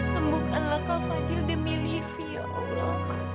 sembuhkanlah kak fadil demi livi ya allah